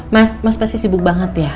mas mas pasti sibuk banget ya